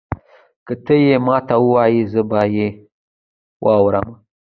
که تۀ یې ماته ووایي زه به یې واورمه.